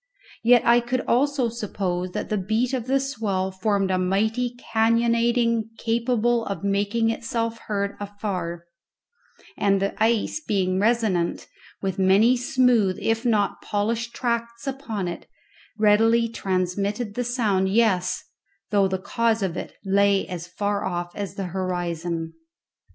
Yet I could also suppose that the beat of the swell formed a mighty cannonading capable of making itself heard afar, and the ice, being resonant, with many smooth if not polished tracts upon it, readily transmitted the sound, yes, though the cause of it lay as far off as the horizon.